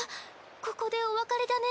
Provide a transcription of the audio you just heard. ここでお別れだね。